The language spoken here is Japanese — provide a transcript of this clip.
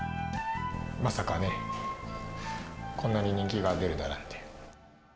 まさかね、こんなに人気が出るだなんて。